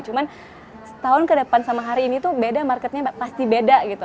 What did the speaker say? cuman setahun ke depan sama hari ini tuh beda marketnya pasti beda gitu